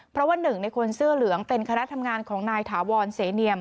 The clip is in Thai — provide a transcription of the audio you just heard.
เพราะว่าหนึ่งในคนเสื้อเหลืองเป็นคณะทำงานของนายถาวรเสเนียม